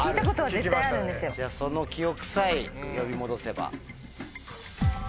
その記憶さえ呼び戻せば。